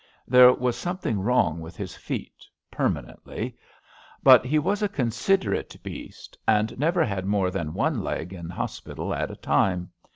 There was some thing wrong with his feet — ^permanently — ^but he was a considerate beast, and never had more than one leg in hospital at a time.